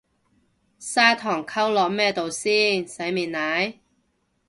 砂糖溝落咩度洗，洗面奶？